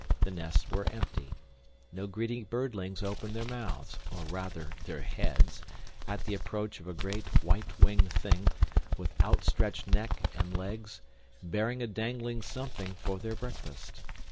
The nests were empty. No greedy birdlings opened their mouths or rather their heads at the approach of a great white winged thing, with outstretched neck and legs, bearing a dangling something for their breakfast.